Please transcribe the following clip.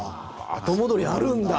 後戻りあるんだ。